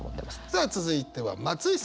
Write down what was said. さあ続いては松居さん！